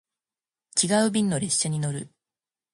違う便の列車に乗る